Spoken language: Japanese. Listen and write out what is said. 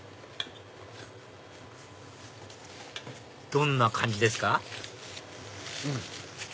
どんな感じですか？